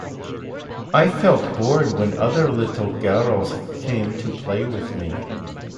I felt bored when other little girls came to play with me.